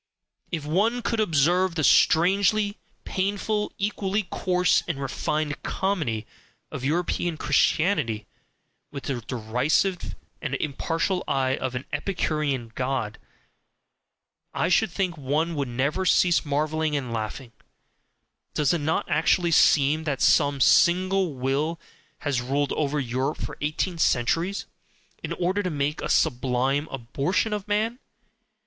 If one could observe the strangely painful, equally coarse and refined comedy of European Christianity with the derisive and impartial eye of an Epicurean god, I should think one would never cease marvelling and laughing; does it not actually seem that some single will has ruled over Europe for eighteen centuries in order to make a SUBLIME ABORTION of man?